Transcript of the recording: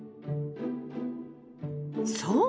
そう！